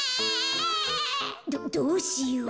どどうしよう。